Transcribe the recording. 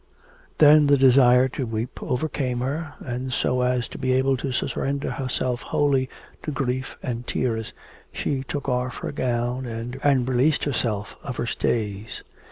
Then the desire to weep overcame her, and, so as to be able to surrender herself wholly to grief and tears, she took off her gown and released herself of her stays.